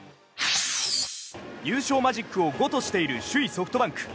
優勝マジックを５としている首位ソフトバンク。